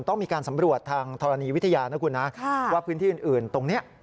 ต้องมีการสำรวจทางธรณีวิทยานะคุณนะว่าพื้นที่อื่นตรงนี้